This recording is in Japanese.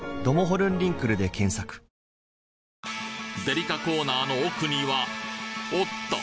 デリカコーナーの奥にはおっと！